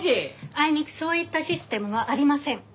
あいにくそういったシステムはありません。